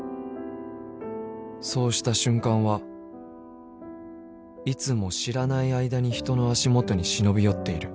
［そうした瞬間はいつも知らない間に人の足元に忍び寄っている］